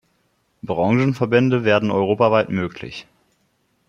Branchenverbände werden europaweit möglich.